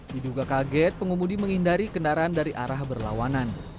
diduga kaget pengemudi menghindari kendaraan dari arah berlawanan